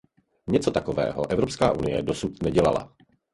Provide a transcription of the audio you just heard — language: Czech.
Něco takového Evropská unie dosud nedělala.